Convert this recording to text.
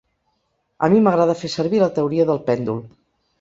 A mi m’agrada fer servir la teoria del pèndol.